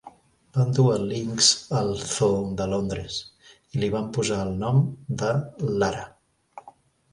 Van dur el linx al zoo de Londres i li van posar el nom de Lara.